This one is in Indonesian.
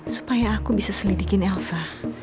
supaya aku bisa selidikin elsa